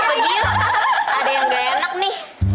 gila ada yang ga enak nih